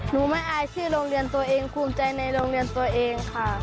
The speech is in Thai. หนูไม่อายชื่อโรงเรียนตัวเองภูมิใจในโรงเรียนตัวเองค่ะ